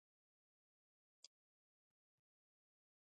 د پښتنو په کلتور کې د ونو کینول ثواب دی.